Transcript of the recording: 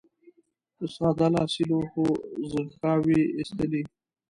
په ساده لاسي لوښو ځوښاوې اېستلې.